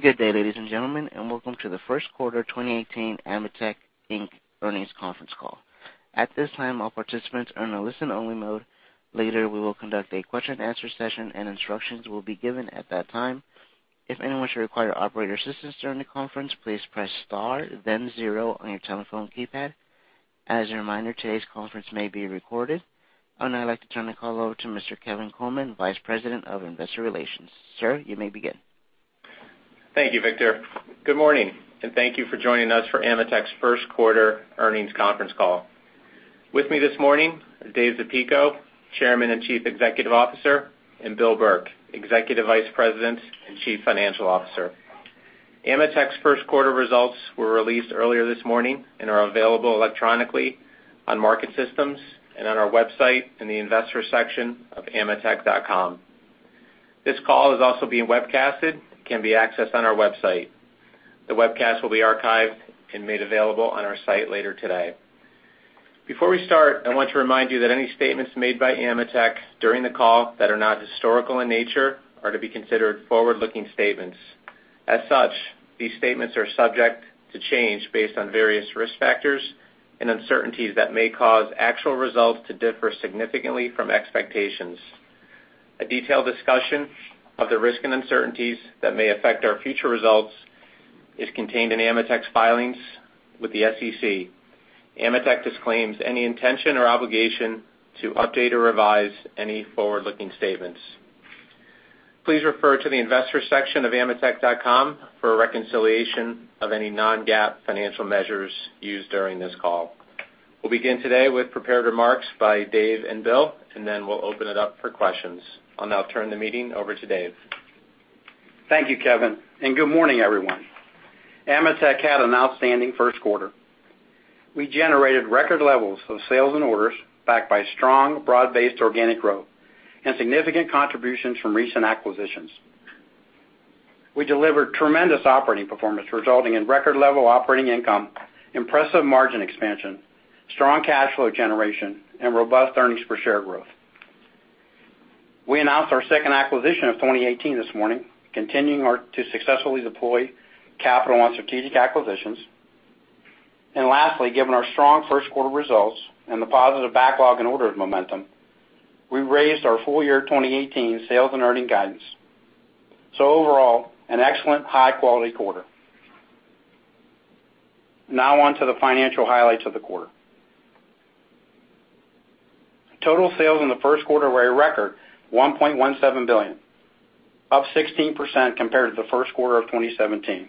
Good day, ladies and gentlemen, and welcome to the first quarter 2018 AMETEK Inc. earnings conference call. At this time, all participants are in a listen-only mode. Later, we will conduct a question and answer session, and instructions will be given at that time. If anyone should require operator assistance during the conference, please press star then zero on your telephone keypad. As a reminder, today's conference may be recorded. I would now like to turn the call over to Mr. Kevin Coleman, Vice President of Investor Relations. Sir, you may begin. Thank you, Victor. Good morning, and thank you for joining us for AMETEK's first quarter earnings conference call. With me this morning are Dave Zapico, Chairman and Chief Executive Officer, and Bill Burke, Executive Vice President and Chief Financial Officer. AMETEK's first quarter results were released earlier this morning and are available electronically on market systems and on our website in the investor section of ametek.com. This call is also being webcasted, can be accessed on our website. The webcast will be archived and made available on our site later today. Before we start, I want to remind you that any statements made by AMETEK during the call that are not historical in nature are to be considered forward-looking statements. As such, these statements are subject to change based on various risk factors and uncertainties that may cause actual results to differ significantly from expectations. A detailed discussion of the risk and uncertainties that may affect our future results is contained in AMETEK's filings with the SEC. AMETEK disclaims any intention or obligation to update or revise any forward-looking statements. Please refer to the investor section of ametek.com for a reconciliation of any non-GAAP financial measures used during this call. We'll begin today with prepared remarks by Dave and Bill. We'll open it up for questions. I'll now turn the meeting over to Dave. Thank you, Kevin. Good morning, everyone. AMETEK had an outstanding first quarter. We generated record levels of sales and orders backed by strong broad-based organic growth and significant contributions from recent acquisitions. We delivered tremendous operating performance resulting in record level operating income, impressive margin expansion, strong cash flow generation, and robust earnings per share growth. We announced our second acquisition of 2018 this morning, continuing to successfully deploy capital on strategic acquisitions. Lastly, given our strong first quarter results and the positive backlog and orders momentum, we raised our full year 2018 sales and earning guidance. Overall, an excellent high-quality quarter. Now on to the financial highlights of the quarter. Total sales in the first quarter were a record $1.17 billion, up 16% compared to the first quarter of 2017.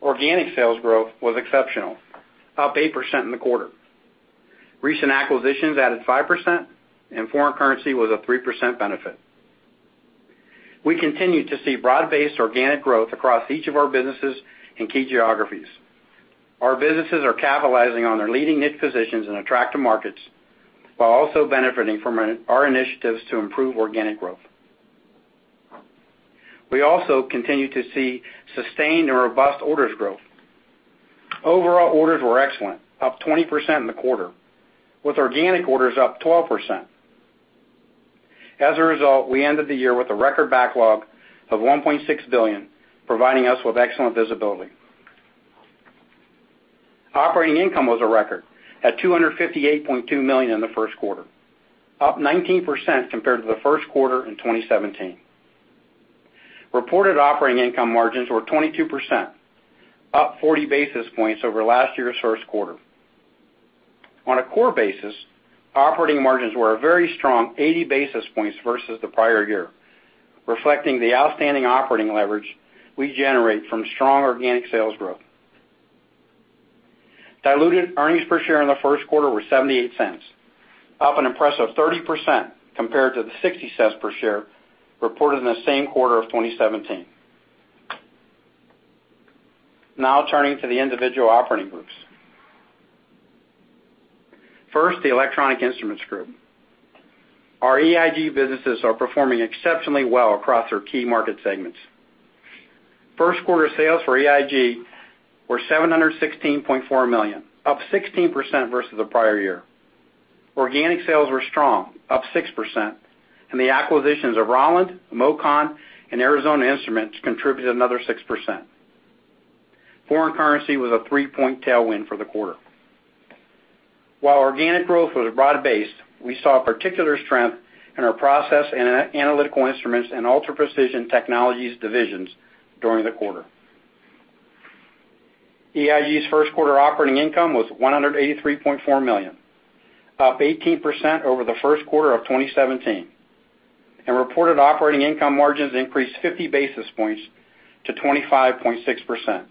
Organic sales growth was exceptional, up 8% in the quarter. Recent acquisitions added 5%, and foreign currency was a 3% benefit. We continue to see broad-based organic growth across each of our businesses and key geographies. Our businesses are capitalizing on their leading niche positions in attractive markets while also benefiting from our initiatives to improve organic growth. We also continue to see sustained and robust orders growth. Overall orders were excellent, up 20% in the quarter, with organic orders up 12%. As a result, we ended the year with a record backlog of $1.6 billion, providing us with excellent visibility. Operating income was a record at $258.2 million in the first quarter, up 19% compared to the first quarter in 2017. Reported operating income margins were 22%, up 40 basis points over last year's first quarter. On a core basis, operating margins were a very strong 80 basis points versus the prior year, reflecting the outstanding operating leverage we generate from strong organic sales growth. Diluted earnings per share in the first quarter were $0.78, up an impressive 30% compared to the $0.60 per share reported in the same quarter of 2017. Now turning to the individual operating groups. First, the Electronic Instruments Group. Our EIG businesses are performing exceptionally well across their key market segments. First quarter sales for EIG were $716.4 million, up 16% versus the prior year. Organic sales were strong, up 6%, and the acquisitions of Rauland, MOCON, and Arizona Instrument contributed another 6%. Foreign currency was a three-point tailwind for the quarter. While organic growth was broad-based, we saw particular strength in our process and analytical instruments and Ultra Precision Technologies divisions during the quarter. EIG's first quarter operating income was $183.4 million, up 18% over the first quarter of 2017, and reported operating income margins increased 50 basis points to 25.6%.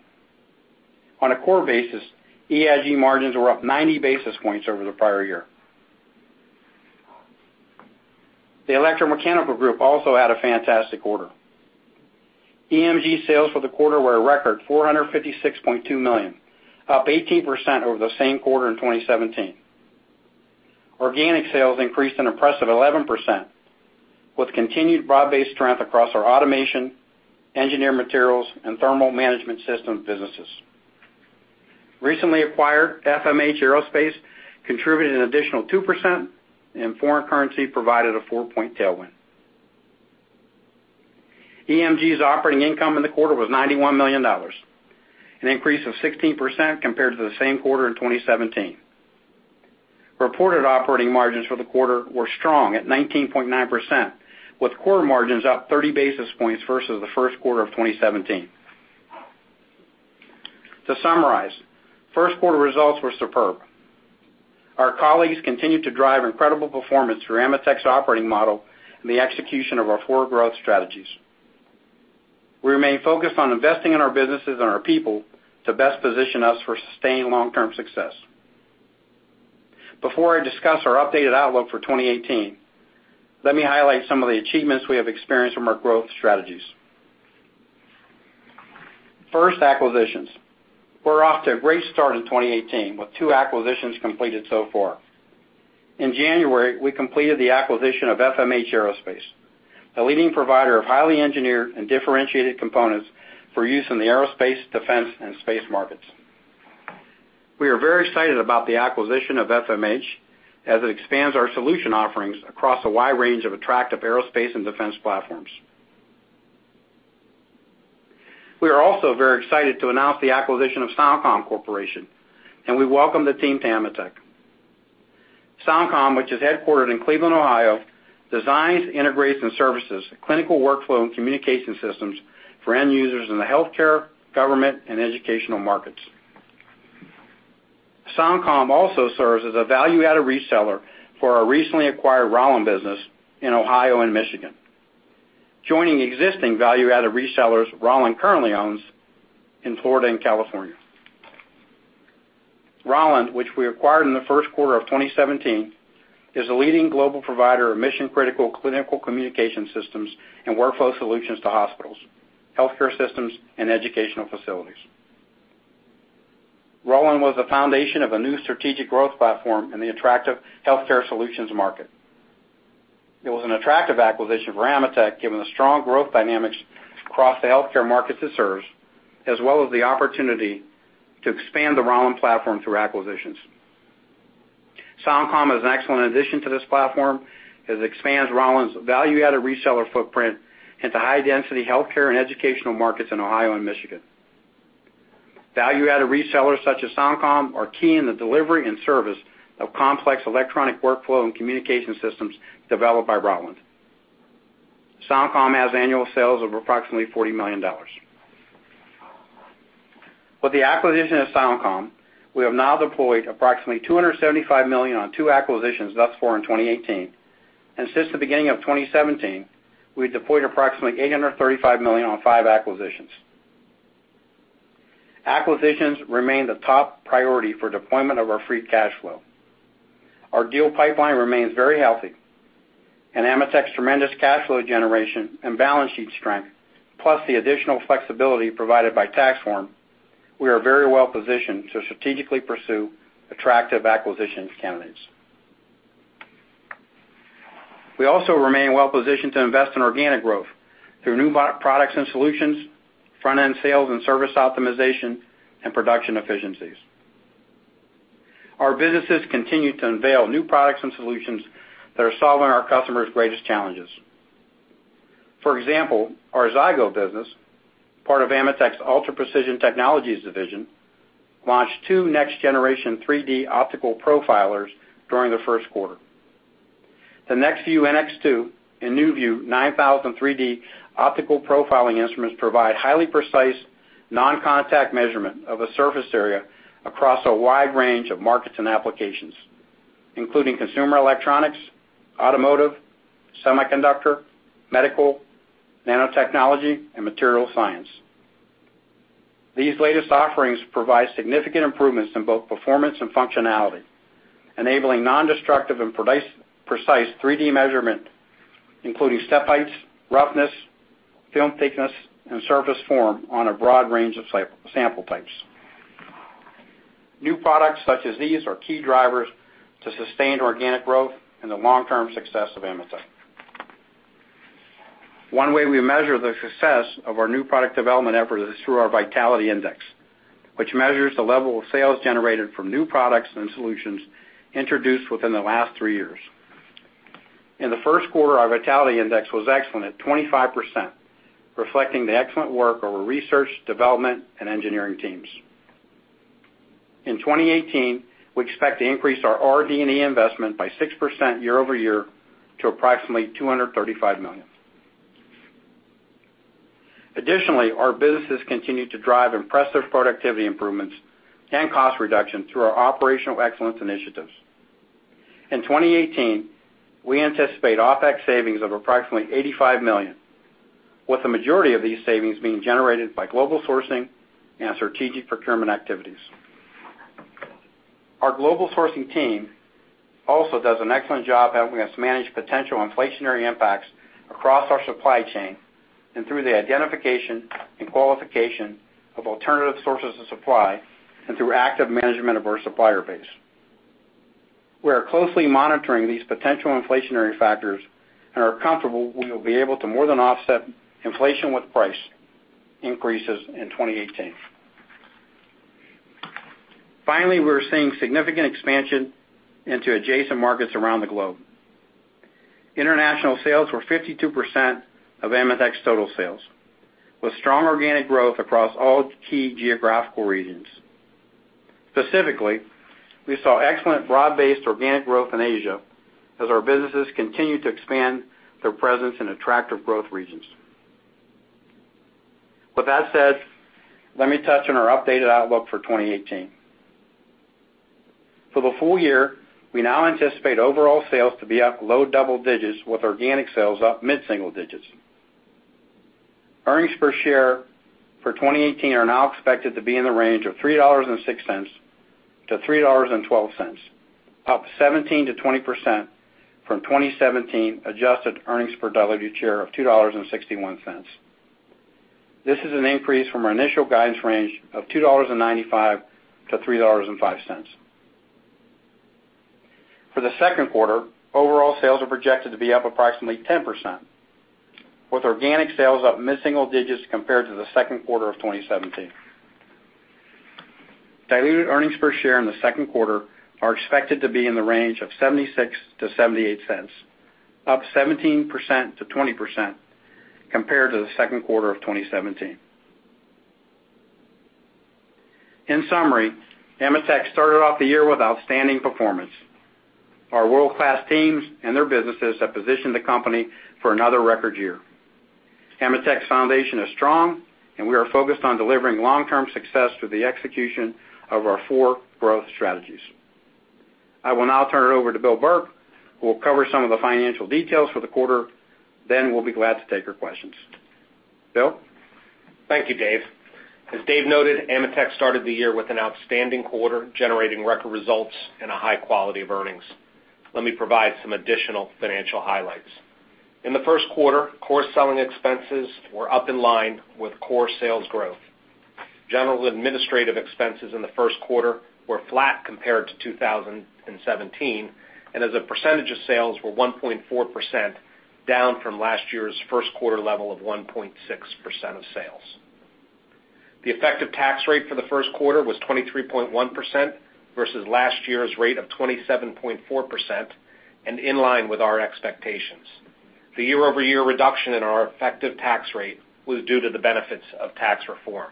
On a core basis, EIG margins were up 90 basis points over the prior year. The Electromechanical Group also had a fantastic quarter. EMG sales for the quarter were a record $456.2 million, up 18% over the same quarter in 2017. Organic sales increased an impressive 11%, with continued broad-based strength across our automation, engineered materials, and thermal management systems businesses. Recently acquired FMH Aerospace contributed an additional 2%, and foreign currency provided a four-point tailwind. EMG's operating income in the quarter was $91 million, an increase of 16% compared to the same quarter in 2017. Reported operating margins for the quarter were strong at 19.9%, with quarter margins up 30 basis points versus the first quarter of 2017. To summarize, first quarter results were superb. Our colleagues continued to drive incredible performance through AMETEK's operating model and the execution of our four growth strategies. We remain focused on investing in our businesses and our people to best position us for sustained long-term success. Before I discuss our updated outlook for 2018, let me highlight some of the achievements we have experienced from our growth strategies. First, acquisitions. We're off to a great start in 2018 with two acquisitions completed so far. In January, we completed the acquisition of FMH Aerospace, a leading provider of highly engineered and differentiated components for use in the aerospace, defense, and space markets. We are very excited about the acquisition of FMH, as it expands our solution offerings across a wide range of attractive aerospace and defense platforms. We are also very excited to announce the acquisition of SoundCom Corporation, and we welcome the team to AMETEK. SoundCom, which is headquartered in Cleveland, Ohio, designs, integrates, and services clinical workflow and communication systems for end users in the healthcare, government, and educational markets. SoundCom also serves as a value-added reseller for our recently acquired Rauland business in Ohio and Michigan, joining existing value-added resellers Rauland currently owns in Florida and California. Rauland, which we acquired in the first quarter of 2017, is a leading global provider of mission-critical clinical communication systems and workflow solutions to hospitals, healthcare systems, and educational facilities. Rauland was the foundation of a new strategic growth platform in the attractive healthcare solutions market. It was an attractive acquisition for AMETEK, given the strong growth dynamics across the healthcare markets it serves, as well as the opportunity to expand the Rauland platform through acquisitions. SoundCom is an excellent addition to this platform, as it expands Rauland's value-added reseller footprint into high-density healthcare and educational markets in Ohio and Michigan. Value-added resellers such as SoundCom are key in the delivery and service of complex electronic workflow and communication systems developed by Rauland. SoundCom has annual sales of approximately $40 million. With the acquisition of SoundCom, we have now deployed approximately $275 million on 2 acquisitions thus far in 2018. Since the beginning of 2017, we've deployed approximately $835 million on 5 acquisitions. Acquisitions remain the top priority for deployment of our free cash flow. Our deal pipeline remains very healthy. AMETEK's tremendous cash flow generation and balance sheet strength, plus the additional flexibility provided by tax reform, we are very well positioned to strategically pursue attractive acquisition candidates. We also remain well positioned to invest in organic growth through new products and solutions, front-end sales and service optimization, and production efficiencies. Our businesses continue to unveil new products and solutions that are solving our customers' greatest challenges. For example, our Zygo business, part of AMETEK's Ultra Precision Technologies division, launched 2 next-generation 3D optical profilers during the first quarter. The Nexview NX2 and NewView 9000 3D optical profiling instruments provide highly precise non-contact measurement of a surface area across a wide range of markets and applications, including consumer electronics, automotive, semiconductor, medical, nanotechnology, and material science. These latest offerings provide significant improvements in both performance and functionality, enabling non-destructive and precise 3D measurement, including step heights, roughness, film thickness, and surface form on a broad range of sample types. New products such as these are key drivers to sustained organic growth and the long-term success of AMETEK. One way we measure the success of our new product development effort is through our vitality index, which measures the level of sales generated from new products and solutions introduced within the last three years. In the first quarter, our vitality index was excellent at 25%, reflecting the excellent work of our research, development, and engineering teams. In 2018, we expect to increase our RD&E investment by 6% year-over-year to approximately $235 million. Our businesses continue to drive impressive productivity improvements and cost reductions through our operational excellence initiatives. In 2018, we anticipate OpEx savings of approximately $85 million, with the majority of these savings being generated by global sourcing and strategic procurement activities. Our global sourcing team also does an excellent job helping us manage potential inflationary impacts across our supply chain and through the identification and qualification of alternative sources of supply and through active management of our supplier base. We are closely monitoring these potential inflationary factors and are comfortable we will be able to more than offset inflation with price increases in 2018. We're seeing significant expansion into adjacent markets around the globe. International sales were 52% of AMETEK's total sales, with strong organic growth across all key geographical regions. Specifically, we saw excellent broad-based organic growth in Asia as our businesses continue to expand their presence in attractive growth regions. Let me touch on our updated outlook for 2018. For the full year, we now anticipate overall sales to be up low double digits with organic sales up mid-single digits. Earnings per share for 2018 are now expected to be in the range of $3.06-$3.12, up 17%-20% from 2017 adjusted earnings per diluted share of $2.61. This is an increase from our initial guidance range of $2.95-$3.05. For the second quarter, overall sales are projected to be up approximately 10%, with organic sales up mid-single digits compared to the second quarter of 2017. Diluted earnings per share in the second quarter are expected to be in the range of $0.76-$0.78, up 17%-20% compared to the second quarter of 2017. AMETEK started off the year with outstanding performance. Our world-class teams and their businesses have positioned the company for another record year. AMETEK's foundation is strong, and we are focused on delivering long-term success through the execution of our four growth strategies. I will now turn it over to Bill Burke, who will cover some of the financial details for the quarter, then we'll be glad to take your questions. Bill? Thank you, Dave. As Dave noted, AMETEK started the year with an outstanding quarter, generating record results and a high quality of earnings. Let me provide some additional financial highlights. In the first quarter, core selling expenses were up in line with core sales growth. General administrative expenses in the first quarter were flat compared to 2017, and as a percentage of sales were 1.4%, down from last year's first quarter level of 1.6% of sales. The effective tax rate for the first quarter was 23.1% versus last year's rate of 27.4%, and in line with our expectations. The year-over-year reduction in our effective tax rate was due to the benefits of tax reform.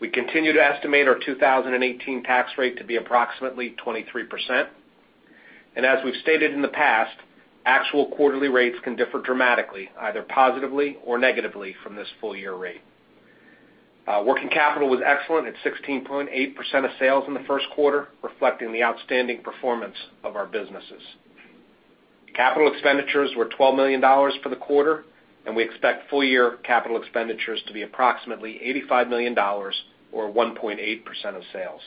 We continue to estimate our 2018 tax rate to be approximately 23%. As we've stated in the past, actual quarterly rates can differ dramatically, either positively or negatively, from this full-year rate. Working capital was excellent at 16.8% of sales in the first quarter, reflecting the outstanding performance of our businesses. Capital expenditures were $12 million for the quarter, and we expect full year capital expenditures to be approximately $85 million, or 1.8% of sales.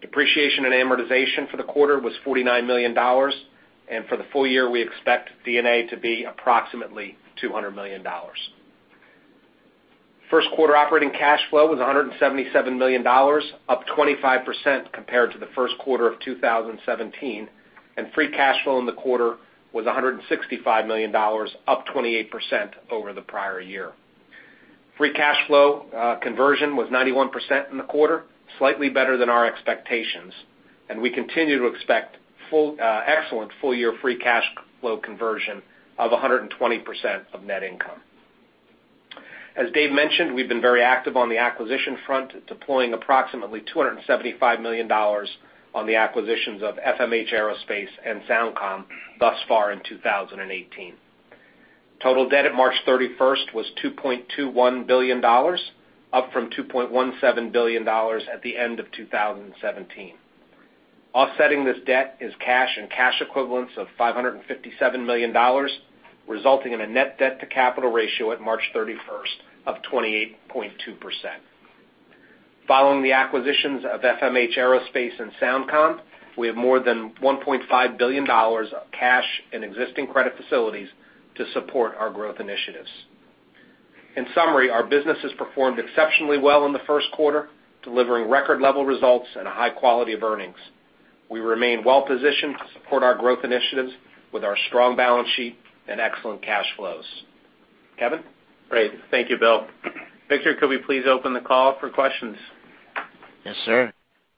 Depreciation and amortization for the quarter was $49 million, and for the full year, we expect D&A to be approximately $200 million. First quarter operating cash flow was $177 million, up 25% compared to the first quarter of 2017, and free cash flow in the quarter was $165 million, up 28% over the prior year. Free cash flow conversion was 91% in the quarter, slightly better than our expectations, and we continue to expect excellent full-year free cash flow conversion of 120% of net income. As Dave mentioned, we've been very active on the acquisition front, deploying approximately $275 million on the acquisitions of FMH Aerospace and SoundCom thus far in 2018. Total debt at March 31st was $2.21 billion, up from $2.17 billion at the end of 2017. Offsetting this debt is cash and cash equivalents of $557 million, resulting in a net debt to capital ratio at March 31st of 28.2%. Following the acquisitions of FMH Aerospace and SoundCom, we have more than $1.5 billion of cash and existing credit facilities to support our growth initiatives. In summary, our business has performed exceptionally well in the first quarter, delivering record level results and a high quality of earnings. We remain well positioned to support our growth initiatives with our strong balance sheet and excellent cash flows. Kevin? Great. Thank you, Bill. Victor, could we please open the call for questions? Yes, sir.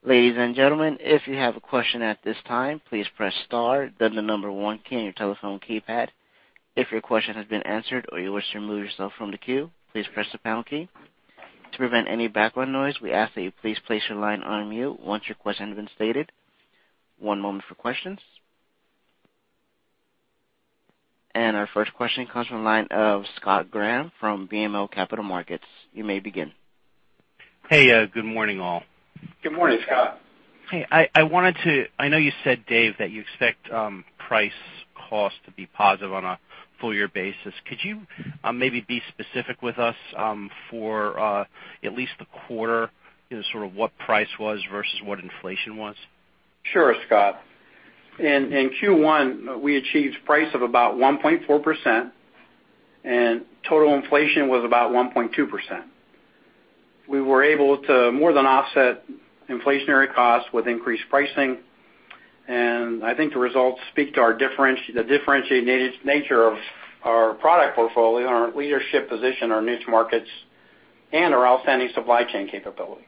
Ladies and gentlemen, if you have a question at this time, please press star, then the one key on your telephone keypad. If your question has been answered or you wish to remove yourself from the queue, please press the pound key. To prevent any background noise, we ask that you please place your line on mute once your question has been stated. One moment for questions. Our first question comes from the line of Scott Graham from BMO Capital Markets. You may begin. Hey, good morning, all. Good morning, Scott. Hey, I know you said, Dave, that you expect price cost to be positive on a full year basis. Could you maybe be specific with us for at least the quarter, sort of what price was versus what inflation was? Sure, Scott. In Q1, we achieved price of about 1.4%. Total inflation was about 1.2%. We were able to more than offset inflationary costs with increased pricing. I think the results speak to the differentiated nature of our product portfolio and our leadership position in our niche markets, and our outstanding supply chain capability.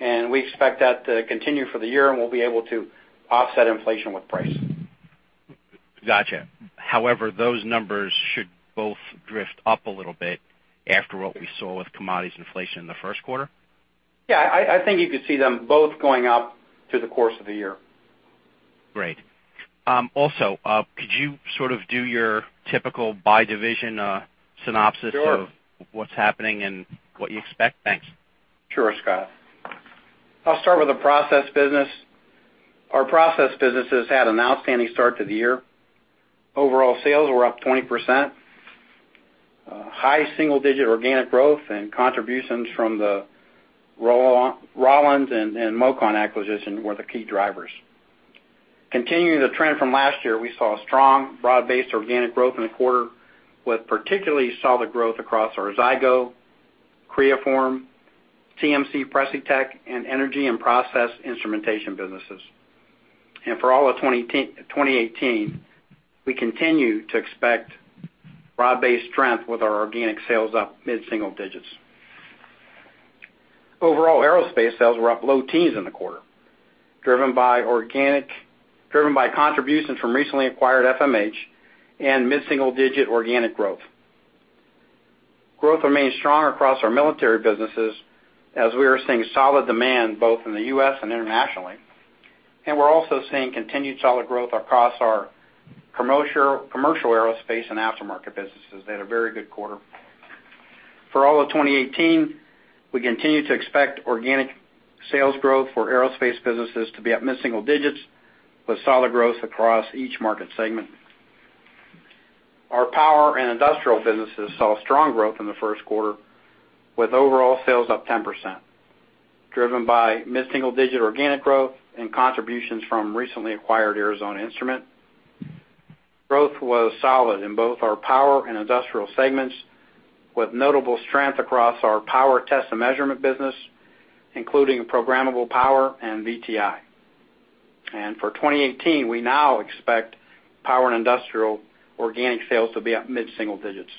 We expect that to continue for the year, and we'll be able to offset inflation with price. Got you. Those numbers should both drift up a little bit after what we saw with commodities inflation in the first quarter? Yeah. I think you could see them both going up through the course of the year. Great. Could you sort of do your typical by-division synopsis- Sure of what's happening and what you expect? Thanks. Sure, Scott. I'll start with the process business. Our process business has had an outstanding start to the year. Overall sales were up 20%. High single-digit organic growth and contributions from the Rauland and MOCON acquisition were the key drivers. Continuing the trend from last year, we saw strong, broad-based organic growth in the quarter, with particularly solid growth across our Zygo, Creaform, TMC, Pressotech, and energy and process instrumentation businesses. For all of 2018, we continue to expect broad-based strength with our organic sales up mid-single digits. Overall aerospace sales were up low teens in the quarter, driven by contributions from recently acquired FMH and mid-single-digit organic growth. Growth remained strong across our military businesses as we are seeing solid demand both in the U.S. and internationally. We're also seeing continued solid growth across our commercial aerospace and aftermarket businesses. They had a very good quarter. For all of 2018, we continue to expect organic sales growth for aerospace businesses to be up mid-single digits, with solid growth across each market segment. Our power and industrial businesses saw strong growth in the first quarter, with overall sales up 10%, driven by mid-single-digit organic growth and contributions from recently acquired Arizona Instrument. Growth was solid in both our power and industrial segments, with notable strength across our power test and measurement business, including programmable power and VTI. For 2018, we now expect power and industrial organic sales to be up mid-single digits.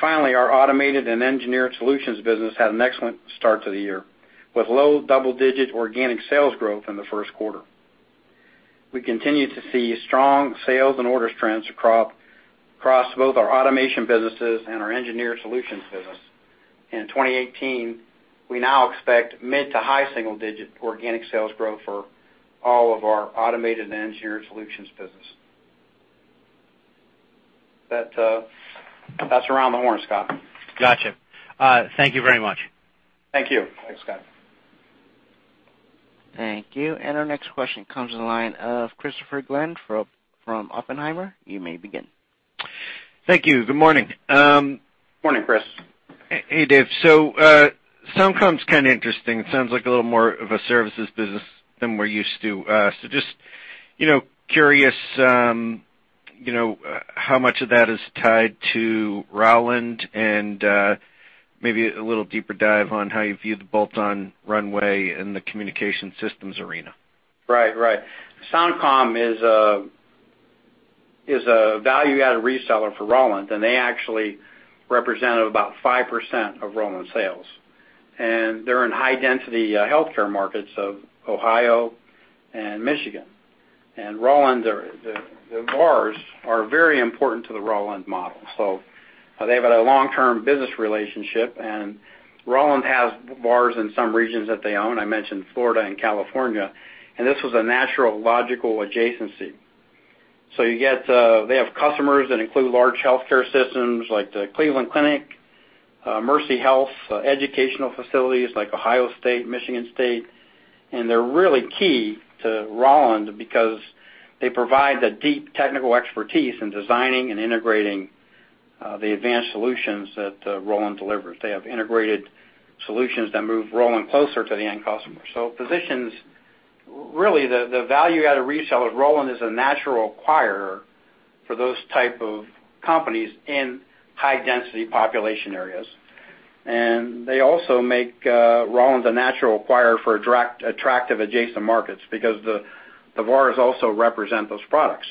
Finally, our Automation & Engineered Solutions business had an excellent start to the year, with low double-digit organic sales growth in the first quarter. We continue to see strong sales and order trends across both our automation businesses and our engineered solutions business. In 2018, we now expect mid to high single-digit organic sales growth for all of our Automation & Engineered Solutions business. That's around the horn, Scott. Got you. Thank you very much. Thank you. Thanks, Scott. Thank you. Our next question comes to the line of Christopher Glynn from Oppenheimer. You may begin. Thank you. Good morning. Morning, Chris. Hey, Dave. SoundCom is kind of interesting. It sounds like a little more of a services business than we're used to. Just curious how much of that is tied to Rauland and maybe a little deeper dive on how you view the bolt-on runway in the communication systems arena. Right. SoundCom is a value-added reseller for Rauland, they actually represented about 5% of Rauland's sales. They're in high-density healthcare markets of Ohio and Michigan. The VARs are very important to the Rauland model. They've had a long-term business relationship, Rauland has VARs in some regions that they own. I mentioned Florida and California. This was a natural, logical adjacency. They have customers that include large healthcare systems like the Cleveland Clinic, Mercy Health, educational facilities like Ohio State, Michigan State. They're really key to Rauland because they provide the deep technical expertise in designing and integrating the advanced solutions that Rauland delivers. They have integrated solutions that move Rauland closer to the end customer. Positions, really, the value-added reseller of Rauland is a natural acquirer for those type of companies in high-density population areas. They also make Rauland a natural acquirer for attractive adjacent markets because the VARs also represent those products.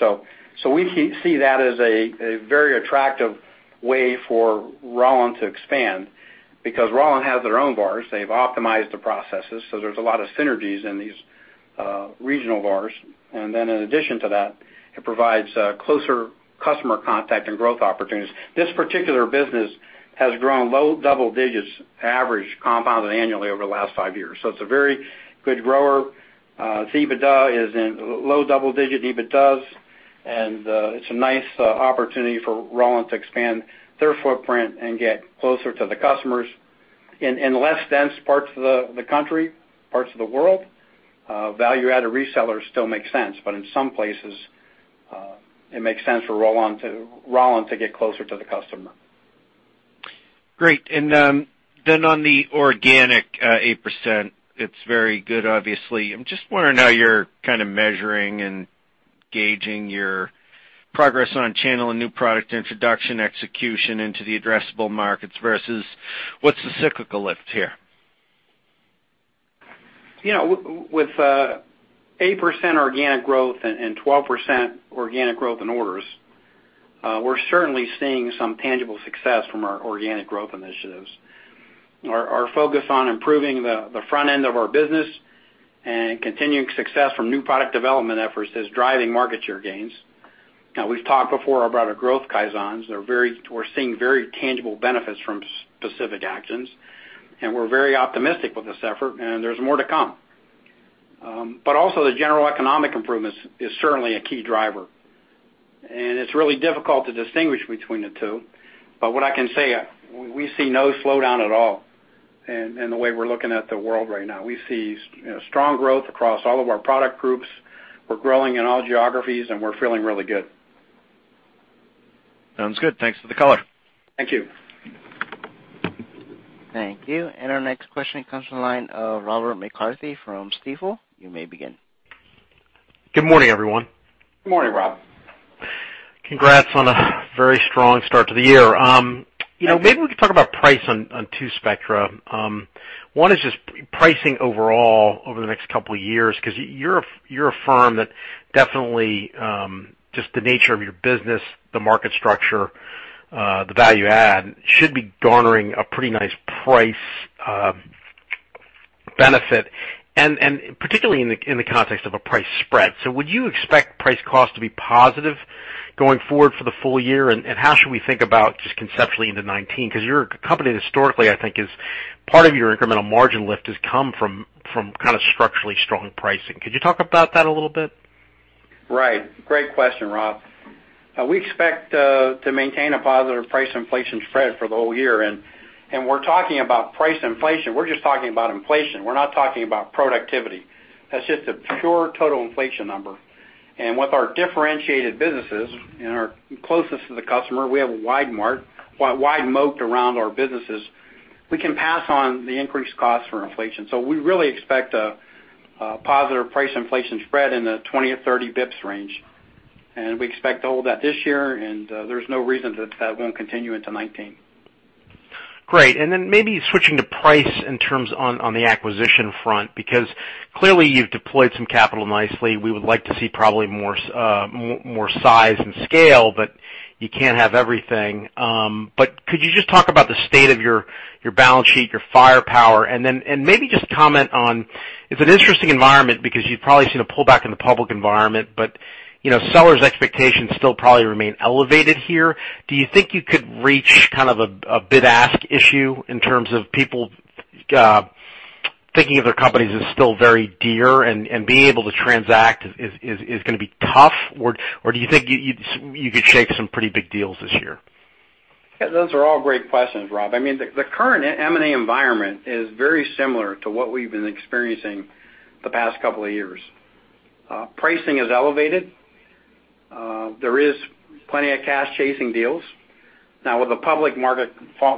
We see that as a very attractive way for Rauland to expand, because Rauland has their own VARs. They've optimized the processes, there's a lot of synergies in these regional VARs. In addition to that, it provides closer customer contact and growth opportunities. This particular business has grown low double-digits average compounded annually over the last five years. It's a very good grower. EBITDA is in low double-digit EBITDAs, it's a nice opportunity for Rauland to expand their footprint and get closer to the customers in less dense parts of the country, parts of the world. Value-added resellers still make sense, but in some places, it makes sense for Rauland to get closer to the customer. Great. On the organic 8%, it's very good, obviously. I'm just wondering how you're kind of measuring and gauging your progress on channel and new product introduction execution into the addressable markets versus what's the cyclical lift here? With 8% organic growth and 12% organic growth in orders, we're certainly seeing some tangible success from our organic growth initiatives. Our focus on improving the front end of our business and continuing success from new product development efforts is driving market share gains. We've talked before about our growth kaizens. We're seeing very tangible benefits from specific actions, and we're very optimistic with this effort, and there's more to come. Also the general economic improvements is certainly a key driver, and it's really difficult to distinguish between the two. What I can say, we see no slowdown at all in the way we're looking at the world right now. We see strong growth across all of our product groups. We're growing in all geographies, and we're feeling really good. Sounds good. Thanks for the color. Thank you. Thank you. Our next question comes from the line of Robert McCarthy from Stifel. You may begin. Good morning, everyone. Good morning, Rob. Congrats on a very strong start to the year. Maybe we can talk about price on two spectra. One is just pricing overall over the next couple of years, because you're a firm that definitely just the nature of your business, the market structure, the value add, should be garnering a pretty nice price benefit, and particularly in the context of a price spread. Would you expect price cost to be positive going forward for the full year? How should we think about just conceptually into 2019? You're a company that historically, I think, is part of your incremental margin lift has come from kind of structurally strong pricing. Could you talk about that a little bit? Right. Great question, Rob. We expect to maintain a positive price inflation spread for the whole year. We're talking about price inflation. We're just talking about inflation. We're not talking about productivity. That's just a pure total inflation number. With our differentiated businesses and our closeness to the customer, we have a wide moat around our businesses. We can pass on the increased cost from inflation. We really expect a positive price inflation spread in the 20 or 30 bps range. We expect all that this year, and there's no reason that won't continue into 2019. Great. Maybe switching to price in terms on the acquisition front, because clearly you've deployed some capital nicely. We would like to see probably more size and scale, but you can't have everything. Could you just talk about the state of your balance sheet, your firepower, and maybe just comment on, it's an interesting environment because you've probably seen a pullback in the public environment, but sellers' expectations still probably remain elevated here. Do you think you could reach kind of a bid-ask issue in terms of people thinking of their companies as still very dear and being able to transact is going to be tough, or do you think you could shake some pretty big deals this year? Those are all great questions, Rob. The current M&A environment is very similar to what we've been experiencing the past couple of years. Pricing is elevated. There is plenty of cash chasing deals. Now with the public market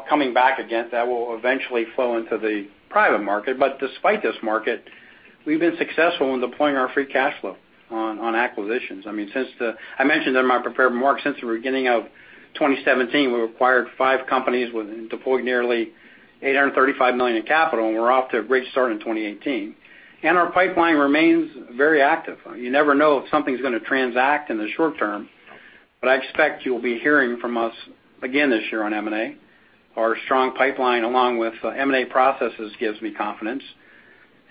coming back again, that will eventually flow into the private market. Despite this market, we've been successful in deploying our free cash flow on acquisitions. I mentioned in my prepared remarks, since the beginning of 2017, we've acquired five companies and deployed nearly $835 million in capital, and we're off to a great start in 2018. Our pipeline remains very active. You never know if something's going to transact in the short term, but I expect you'll be hearing from us again this year on M&A. Our strong pipeline along with M&A processes gives me confidence.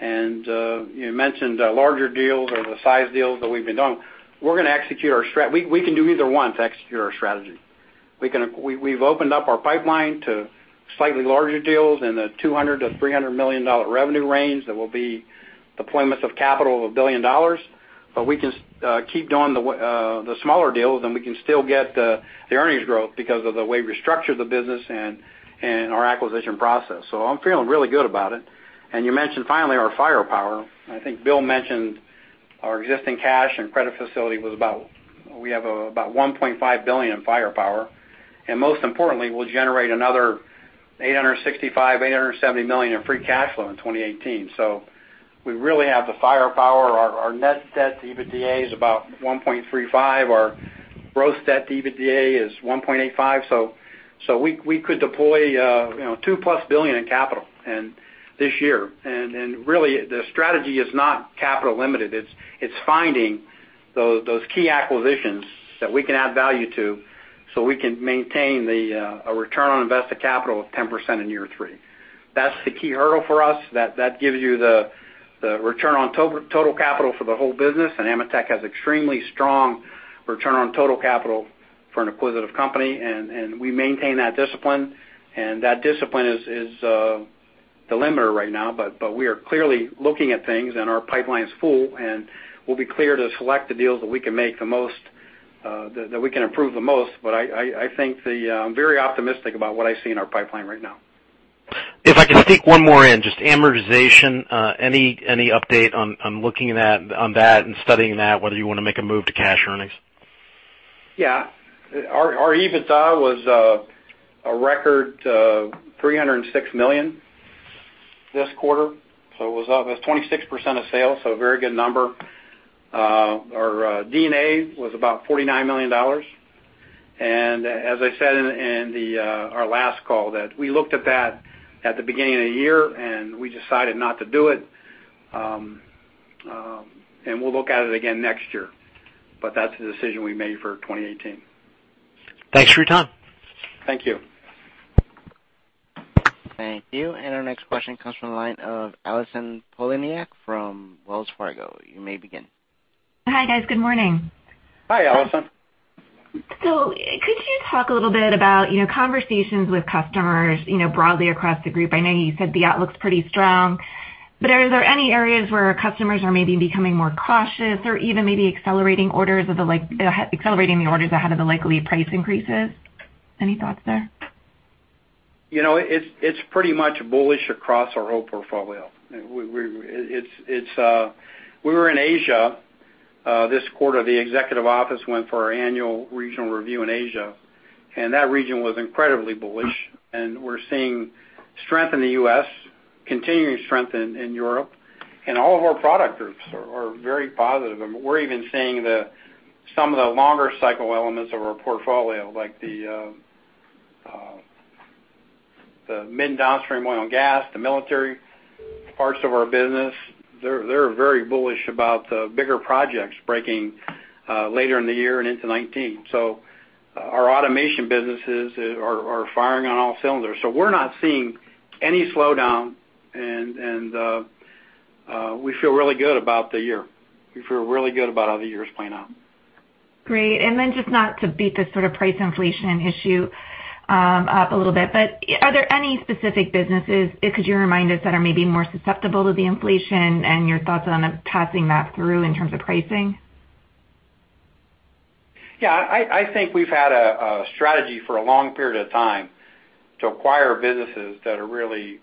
You mentioned larger deals or the size deals that we've been doing. We can do either one to execute our strategy. We've opened up our pipeline to slightly larger deals in the $200 million-$300 million revenue range that will be deployments of capital of $1 billion, but we can keep doing the smaller deals, and we can still get the earnings growth because of the way we structured the business and our acquisition process. I'm feeling really good about it. You mentioned finally our firepower. I think Bill mentioned our existing cash and credit facility, we have about $1.5 billion in firepower. Most importantly, we'll generate another $865 million-$870 million in free cash flow in 2018. We really have the firepower. Our net debt to EBITDA is about 1.35. Our gross debt to EBITDA is 1.85, so we could deploy $2+ billion in capital this year. Really, the strategy is not capital limited. It's finding those key acquisitions that we can add value to so we can maintain a return on invested capital of 10% in year three. That's the key hurdle for us. That gives you the return on total capital for the whole business, and AMETEK has extremely strong return on total capital for an acquisitive company, and we maintain that discipline, and that discipline is the limiter right now. We are clearly looking at things, and our pipeline's full, and we'll be clear to select the deals that we can improve the most. I'm very optimistic about what I see in our pipeline right now. If I could sneak one more in, just amortization. Any update on looking at on that and studying that, whether you want to make a move to cash earnings? Yeah. Our EBITDA was a record $306 million this quarter. It was up. It was 26% of sales, a very good number. Our D&A was about $49 million. As I said in our last call, that we looked at that at the beginning of the year, and we decided not to do it. We'll look at it again next year, but that's the decision we made for 2018. Thanks for your time. Thank you. Thank you. Our next question comes from the line of Allison Poliniak from Wells Fargo. You may begin. Hi, guys. Good morning. Hi, Allison. Could you talk a little bit about conversations with customers broadly across the group? I know you said the outlook's pretty strong, but are there any areas where customers are maybe becoming more cautious or even maybe accelerating the orders ahead of the likely price increases? Any thoughts there? It's pretty much bullish across our whole portfolio. We were in Asia, this quarter. The executive office went for our annual regional review in Asia. That region was incredibly bullish. We're seeing strength in the U.S., continuing strength in Europe. All of our product groups are very positive. We're even seeing some of the longer cycle elements of our portfolio, like the mid downstream oil and gas, the military parts of our business. They're very bullish about the bigger projects breaking later in the year and into 2019. Our automation businesses are firing on all cylinders. We're not seeing any slowdown, and we feel really good about the year. We feel really good about how the year is playing out. Great. Just not to beat this sort of price inflation issue up a little bit, are there any specific businesses, could you remind us, that are maybe more susceptible to the inflation and your thoughts on passing that through in terms of pricing? Yeah. I think we've had a strategy for a long period of time to acquire businesses that are really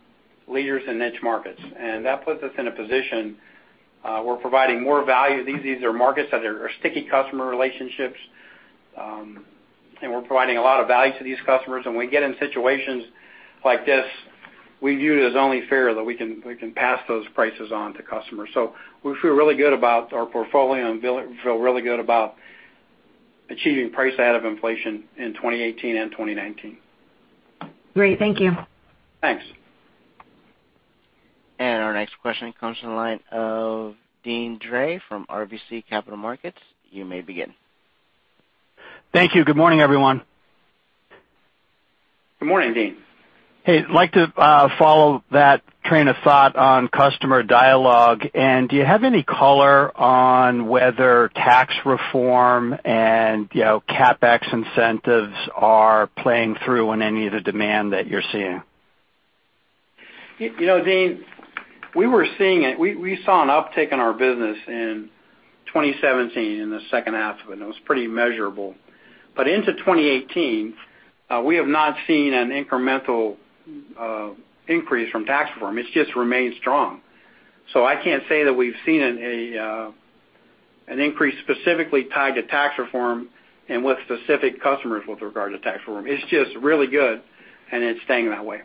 leaders in niche markets. That puts us in a position, we're providing more value. These are markets that are sticky customer relationships, and we're providing a lot of value to these customers. We get in situations like this, we view it as only fair that we can pass those prices on to customers. We feel really good about our portfolio and feel really good about achieving price out of inflation in 2018 and 2019. Great. Thank you. Thanks. Our next question comes from the line of Deane Dray from RBC Capital Markets. You may begin. Thank you. Good morning, everyone. Good morning, Deane. Hey, like to follow that train of thought on customer dialogue. Do you have any color on whether tax reform and CapEx incentives are playing through on any of the demand that you're seeing? Deane, we saw an uptick in our business in 2017, in the second half of it, and it was pretty measurable. Into 2018, we have not seen an incremental increase from tax reform. It's just remained strong. I can't say that we've seen an increase specifically tied to tax reform and what specific customers with regard to tax reform. It's just really good, and it's staying that way.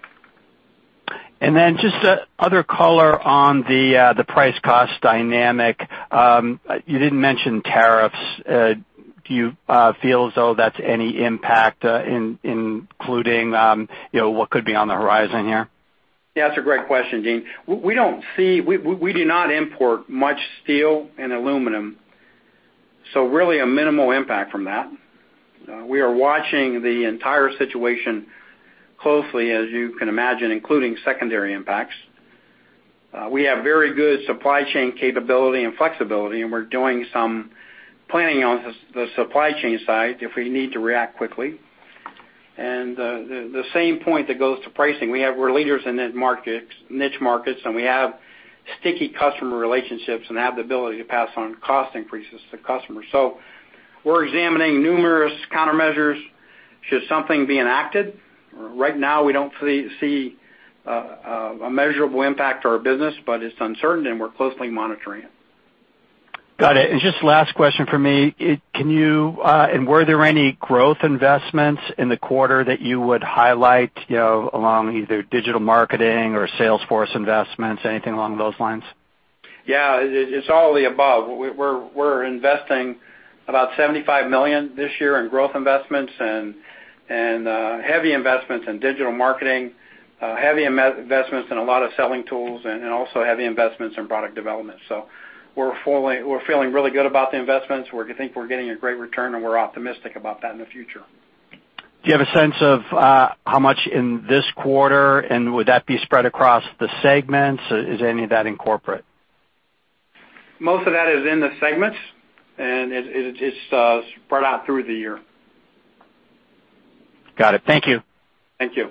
Just other color on the price cost dynamic. You didn't mention tariffs. Do you feel as though that's any impact, including what could be on the horizon here? That's a great question, Deane. We do not import much steel and aluminum, so really a minimal impact from that. We are watching the entire situation closely, as you can imagine, including secondary impacts. We have very good supply chain capability and flexibility, and we're doing some planning on the supply chain side if we need to react quickly. The same point that goes to pricing. We're leaders in niche markets, and we have sticky customer relationships and have the ability to pass on cost increases to customers. We're examining numerous countermeasures should something be enacted. Right now, we don't see a measurable impact to our business, but it's uncertain, and we're closely monitoring it. Got it. Just last question from me. Were there any growth investments in the quarter that you would highlight along either digital marketing or sales force investments, anything along those lines? Yeah, it's all of the above. We're investing about $75 million this year in growth investments and heavy investments in digital marketing, heavy investments in a lot of selling tools, and also heavy investments in product development. We're feeling really good about the investments. We think we're getting a great return, and we're optimistic about that in the future. Do you have a sense of how much in this quarter, would that be spread across the segments? Is any of that in corporate? Most of that is in the segments, it's spread out through the year. Got it. Thank you. Thank you.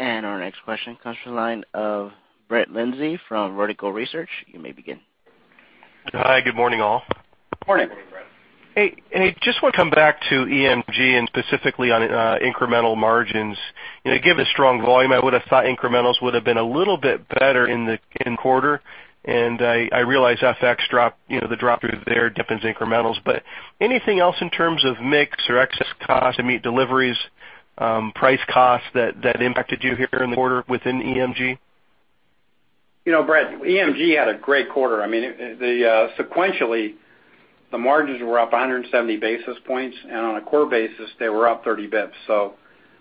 Our next question comes from the line of Brett Linzey from Vertical Research. You may begin. Hi. Good morning, all. Morning. Morning, Brett. Hey, just want to come back to EMG, specifically on incremental margins. Given the strong volume, I would've thought incrementals would've been a little bit better in the quarter. I realize FX drop, the drop through there dip as incrementals. Anything else in terms of mix or excess cost to meet deliveries, price costs that impacted you here in the quarter within EMG? Brett, EMG had a great quarter. Sequentially, the margins were up 170 basis points, on a core basis, they were up 30 basis points.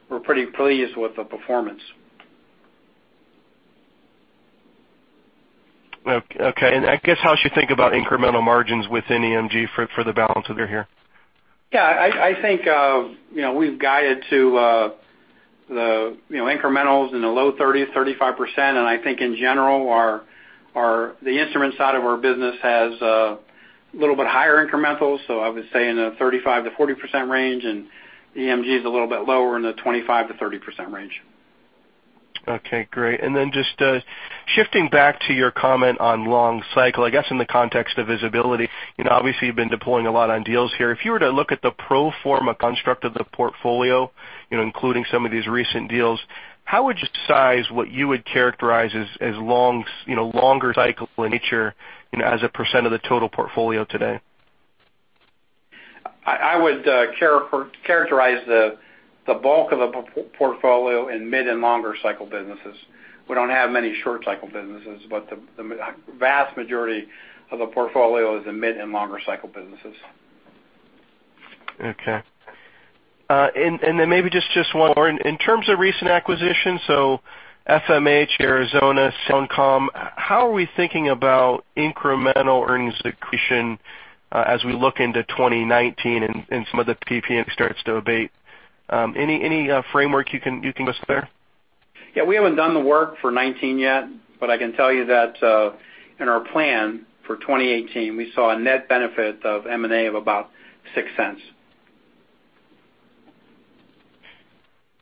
We're pretty pleased with the performance. Okay. I guess how should think about incremental margins within EMG for the balance of the year here? Yeah. I think, we've guided to the incrementals in the low 30s, 35%. I think in general, the instrument side of our business has a little bit higher incrementals, so I would say in the 35%-40% range, and EMG is a little bit lower in the 25%-30% range. Okay, great. Just shifting back to your comment on long cycle, I guess, in the context of visibility, obviously you've been deploying a lot on deals here. If you were to look at the pro forma construct of the portfolio, including some of these recent deals, how would you size what you would characterize as longer cycle in nature, as a % of the total portfolio today? I would characterize the bulk of the portfolio in mid and longer cycle businesses. We don't have many short cycle businesses, but the vast majority of the portfolio is in mid and longer cycle businesses. Okay. Maybe just one more. In terms of recent acquisitions, FMH, Arizona, SoundCom, how are we thinking about incremental earnings accretion, as we look into 2019 and some of the PP&E starts to abate? Any framework you can give us there? Yeah. We haven't done the work for 2019 yet, but I can tell you that, in our plan for 2018, we saw a net benefit of M&A of about $0.06.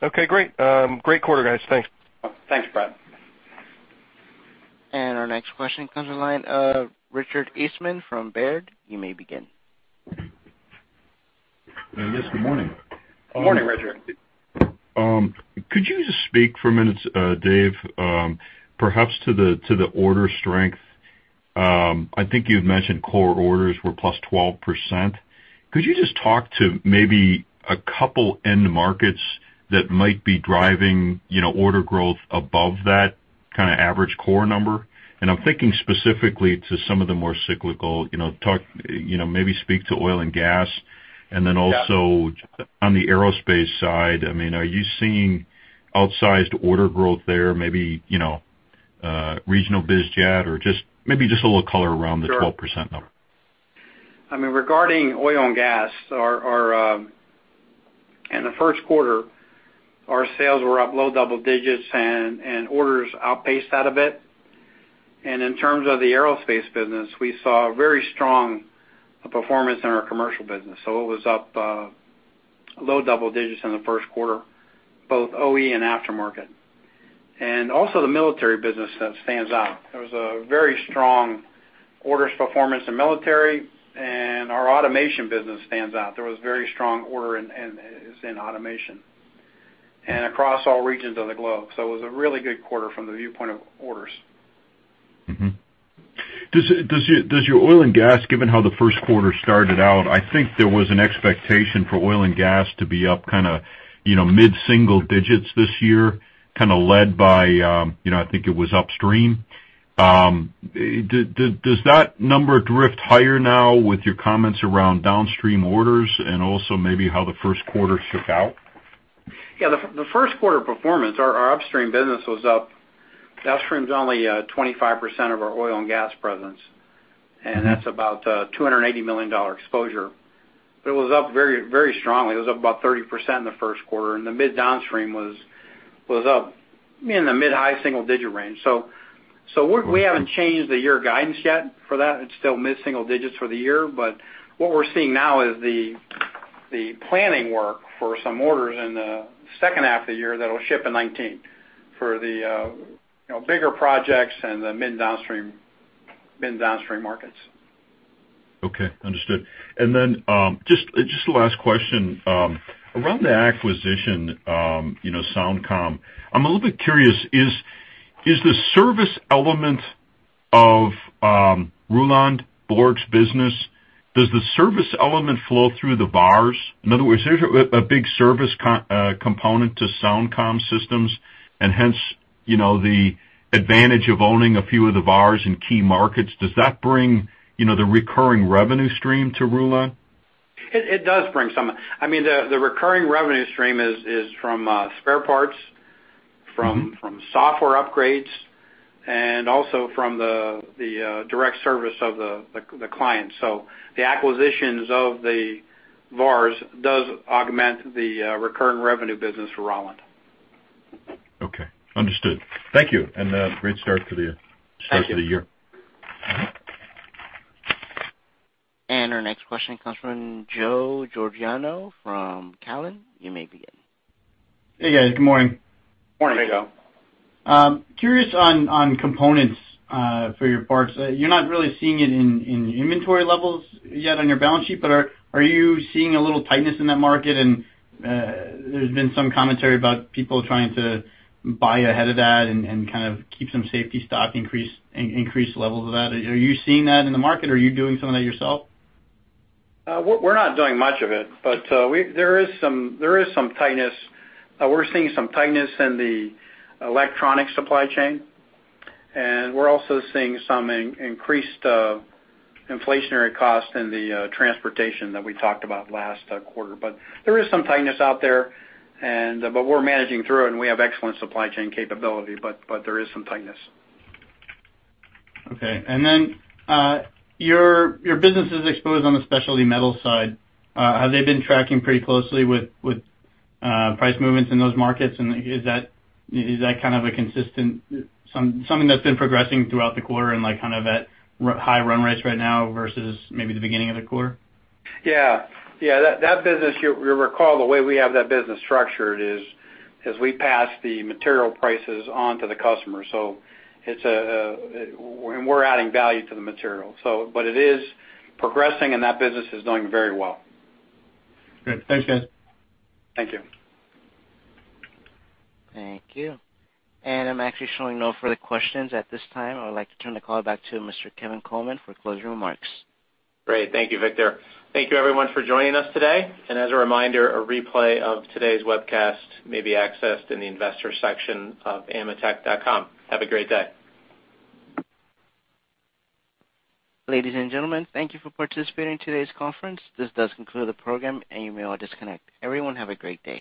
Okay, great. Great quarter, guys. Thanks. Thanks, Brett. Our next question comes from the line of Richard Eastman from Baird. You may begin. Yes, good morning. Good morning, Richard. Could you just speak for a minute, Dave, perhaps to the order strength? I think you had mentioned core orders were +12%. Could you just talk to maybe a couple end markets that might be driving order growth above that kind of average core number? I'm thinking specifically to some of the more cyclical, maybe speak to oil and gas. Yeah. Also on the aerospace side, are you seeing outsized order growth there, maybe regional biz jet, or maybe just a little color around the 12% number? Sure. Regarding oil and gas, in the first quarter, our sales were up low double digits, and orders outpaced that a bit. In terms of the aerospace business, we saw very strong performance in our commercial business. It was up low double digits in the first quarter, both OE and aftermarket. Also the military business stands out. There was a very strong orders performance in military, and our automation business stands out. There was very strong order in automation. Across all regions of the globe. It was a really good quarter from the viewpoint of orders. Mm-hmm. Does your oil and gas, given how the first quarter started out, I think there was an expectation for oil and gas to be up mid-single digits this year, led by, I think it was upstream. Does that number drift higher now with your comments around downstream orders and also maybe how the first quarter shook out? Yeah. The first quarter performance, our upstream business was up. Upstream's only 25% of our oil and gas presence, and that's about a $280 million exposure. It was up very strongly. It was up about 30% in the first quarter, and the mid downstream was up in the mid high single digit range. We haven't changed the year guidance yet for that. It's still mid single digits for the year. What we're seeing now is the planning work for some orders in the second half of the year that'll ship in 2019 for the bigger projects and the mid downstream markets. Okay, understood. Just a last question. Around the acquisition, SoundCom, I'm a little bit curious. Is the service element of Rauland-Borg business, does the service element flow through the VARs? In other words, there's a big service component to SoundCom Systems, and hence, the advantage of owning a few of the VARs in key markets. Does that bring the recurring revenue stream to Rauland? It does bring some. The recurring revenue stream is from spare parts. from software upgrades, and also from the direct service of the client. The acquisitions of the VARs does augment the recurring revenue business for Rauland. Okay. Understood. Thank you, and great start to the year. Thank you. Start to the year. Our next question comes from Joe Giordano from Cowen. You may begin. Hey, guys. Good morning. Morning. Curious on components for your parts. You're not really seeing it in inventory levels yet on your balance sheet, but are you seeing a little tightness in that market? There's been some commentary about people trying to buy ahead of that and kind of keep some safety stock, increase levels of that. Are you seeing that in the market, or are you doing some of that yourself? We're not doing much of it, but there is some tightness. We're seeing some tightness in the electronic supply chain, and we're also seeing some increased inflationary costs in the transportation that we talked about last quarter. There is some tightness out there, but we're managing through it, and we have excellent supply chain capability, but there is some tightness. Okay. Your business is exposed on the specialty metal side. Have they been tracking pretty closely with price movements in those markets? Is that kind of a consistent, something that's been progressing throughout the quarter and kind of at high run rates right now versus maybe the beginning of the quarter? Yeah. That business, you'll recall the way we have that business structured is, we pass the material prices on to the customer. We're adding value to the material. It is progressing, and that business is doing very well. Great. Thanks, guys. Thank you. Thank you. I'm actually showing no further questions at this time. I would like to turn the call back to Mr. Kevin Coleman for closing remarks. Great. Thank you, Victor. Thank you everyone for joining us today. As a reminder, a replay of today's webcast may be accessed in the investor section of ametek.com. Have a great day. Ladies and gentlemen, thank you for participating in today's conference. This does conclude the program, and you may all disconnect. Everyone, have a great day.